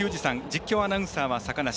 実況アナウンサーは坂梨。